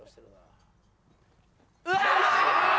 うわ！